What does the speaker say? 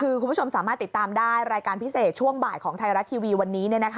คือคุณผู้ชมสามารถติดตามได้รายการพิเศษช่วงบ่ายของไทยรัฐทีวีวันนี้